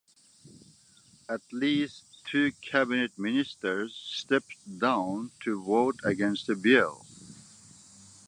At least two cabinet ministers stepped down to vote against the bill.